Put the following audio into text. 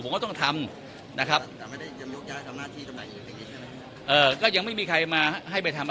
ผมก็ต้องทำนะครับเอ่อก็ยังไม่มีใครมาให้ไปทำอะไร